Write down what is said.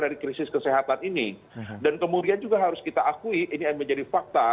dari krisis kesehatan ini dan kemudian juga harus kita akui ini yang menjadi fakta